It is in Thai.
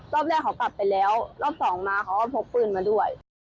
รอบแรกเขากลับไปแล้วรอบสองมาเขาก็พกปืนมาด้วย